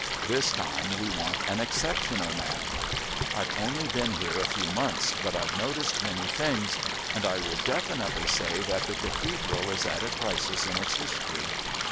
This time we want an exceptional man. "I've only been here a few months, but I've noticed many things, and I will definitely say that the Cathedral is at a crisis in its history.